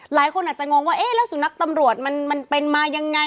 หลายคนอาจจะงงว่าเอ๊ะแล้วสุนัขตำรวจมันเป็นมายังไง